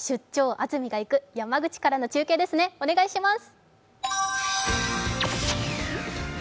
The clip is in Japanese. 安住がいく」、山口からの中継ですね、お願いします。